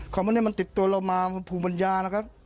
ของแบบนี้มันติดตัวเรามาภูมิบัญญานะคะ